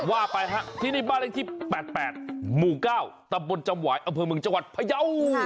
ว่าไปฮะที่นี่บ้านเลขที่๘๘หมู่๙ตำบลจำหวายอำเภอเมืองจังหวัดพยาว